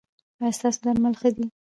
ایا ستاسو درمل ښه دي؟